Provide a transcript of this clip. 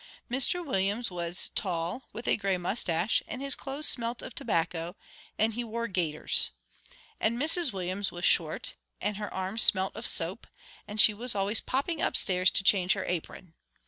Mr Williams was tall, with a grey moustache, and his clothes smelt of tobacco, and he wore gaiters; and Mrs Williams was short, and her arms smelt of soap, and she was always popping upstairs to change her apron.